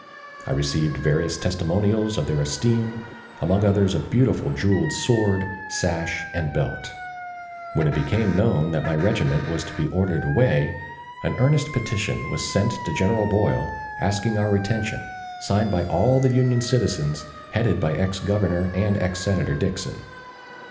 I received various testimonials of their esteem, among others a beautiful jeweled sword, sash, and belt. When it became known that my regiment was to be ordered away, an earnest petition was sent to General Boyle asking our retention, signed by all the Union citizens, headed by ex Governor and ex Senator Dixon.